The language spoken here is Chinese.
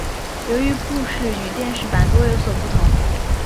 由于故事与电视版多所不同。